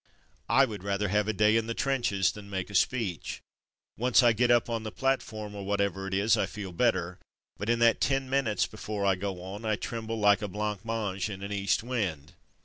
I would rather have a day in the trenches than make a speech. Once I get up on the platform or whatever it is, I feel better, but in that ten minutes before I go on, I tremble like a blancmange in an east wind.